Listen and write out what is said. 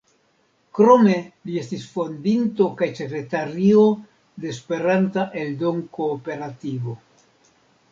Krome li estis fondinto kaj sekretario de Esperanta Eldon-Kooperativo.